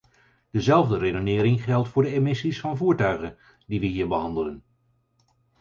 Dezelfde redenering geldt voor de emissies van voertuigen die we hier behandelen.